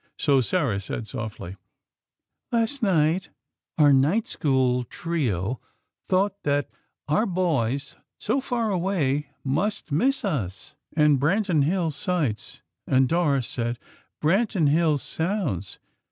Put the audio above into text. So Sarah said, softly: "Last night, our Night School trio thought that our boys, so far away, must miss us, and Branton Hills sights; and Doris said, 'Branton Hills sounds.'